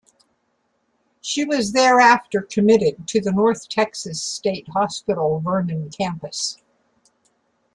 She was thereafter committed to the North Texas State Hospital-Vernon Campus.